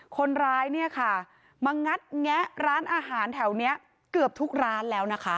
คนร้ายเนี่ยค่ะมางัดแงะร้านอาหารแถวนี้เกือบทุกร้านแล้วนะคะ